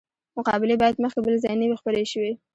مقالې باید مخکې بل ځای نه وي خپرې شوې.